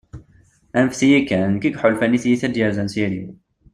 anfet-iyi kan, d nekk i yeḥulfan, i tyita i d-yerzan s iri-w